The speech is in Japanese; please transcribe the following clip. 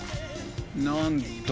なんと！